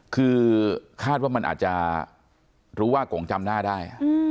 คือคาดว่ามันอาจจะรู้ว่ากงจำหน้าได้